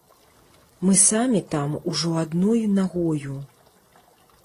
Мы самі там ужо адной нагою.